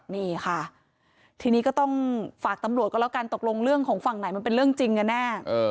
นี่ค่ะทีนี้ก็ต้องฝากตำรวจก็แล้วกันตกลงเรื่องของฝั่งไหนมันเป็นเรื่องจริงกันแน่